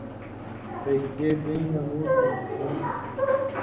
سجدے بیں نہ مُوٹھیوں پھیں